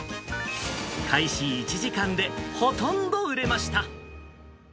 開始１時間で、ほとんど売れました。